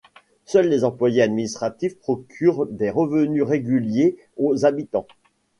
Seuls les emplois administratifs procurent des revenus réguliers aux habitants.